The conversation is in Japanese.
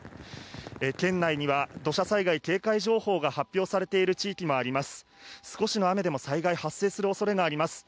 県内には土砂災害警戒情報が発表されている地域もあります。